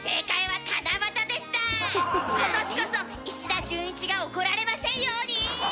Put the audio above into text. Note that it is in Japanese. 今年こそ石田純一が怒られませんように！